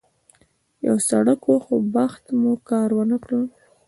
یو سړک و، خو بخت مو کار ونه کړ.